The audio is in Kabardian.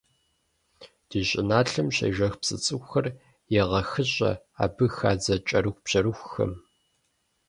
Ди щӏыналъэм щежэх псы цӀыкӀухэр егъэхыщӀэ абы хадзэ кӀэрыхубжьэрыхухэм.